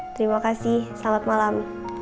terima kasih selamat malam